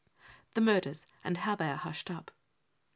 The Murders and how they are Hushed up.